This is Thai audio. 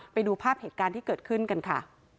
ไปดูภาพเหตุการณ์ที่เกิดขึ้นกันค่ะ